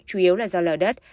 chủ yếu là do lở đất